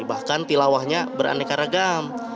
bahkan tilawahnya beraneka ragam